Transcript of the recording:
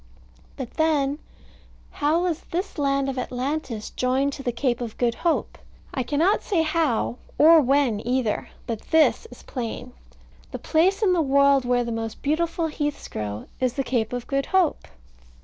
But then, how was this land of Atlantis joined to the Cape of Good Hope? I cannot say how, or when either. But this is plain: the place in the world where the most beautiful heaths grow is the Cape of Good Hope?